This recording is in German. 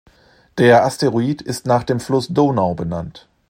Der Asteroid ist nach dem Fluss Donau benannt.